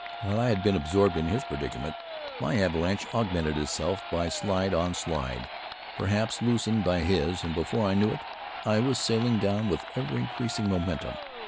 While I had been absorbed in his predicament, my avalanche augmented itself by slide on slide, perhaps loosened by his; and before I knew it, I was sailing down with ever increasing momentum.